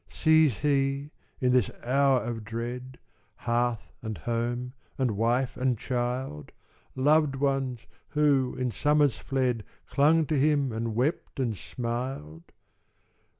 "Sees he, in this hour of dread, Hearth and home and wife and child? Loved ones who, in summers fled, Clung to him and wept and smiled?